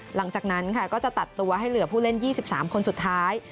หลังจากนั้นค่ะก็จะตัดตัวให้เหลือผู้เล่น๒๓คนสุดท้าย